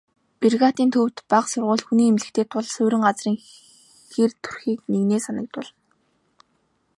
Бригадын төвд бага сургууль, хүний эмнэлэгтэй тул суурин газрын хэр төрхийг нэгнээ санагдуулна.